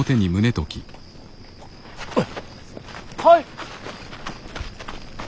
はい。